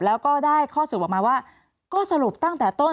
แล้วก็ได้ข้อสรุปออกมาว่าก็สรุปตั้งแต่ต้น